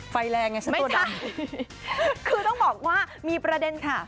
ไฟแรงไงฉันตัวนั้นคือต้องบอกว่ามีประเด็นค่ะ